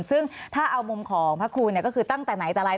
ซึ่งถ้าเอามุมของพระคุณเนี่ยก็คือตั้งแต่ไหนตั้งแต่อะไร